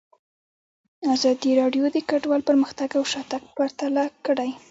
ازادي راډیو د کډوال پرمختګ او شاتګ پرتله کړی.